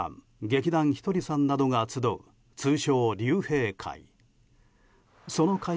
劇団ひとりさんなどが集う通称、竜兵会。